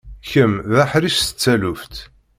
Kemm d aḥric seg taluft.